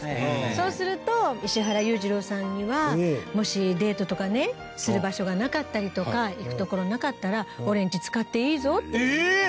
そうすると石原裕次郎さんには「もしデートとかねする場所がなかったりとか行く所なかったら俺んち使っていいぞ」って。